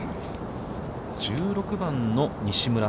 １６番の西村。